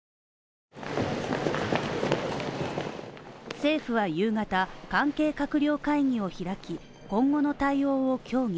政府は夕方、関係閣僚会議を開き、今後の対応を協議。